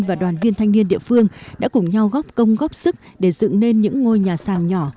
và đoàn viên thanh niên địa phương đã cùng nhau góp công góp sức để dựng nên những ngôi nhà sàn nhỏ